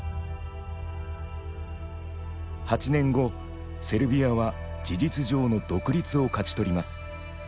８年後セルビアは事実上の独立を勝ち取ります。